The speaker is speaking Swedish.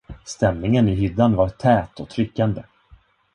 Stämningen i hyddan var tät och tryckande.